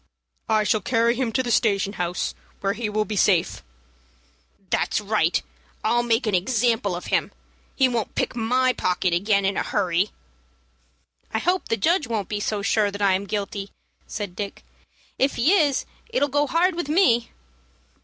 "I shall carry him to the station house, where he will be safe." "That's right, I'll make an example of him. He won't pick my pocket again in a hurry." "I hope the judge won't be so sure that I am guilty," said Dick. "If he is, it'll go hard with me."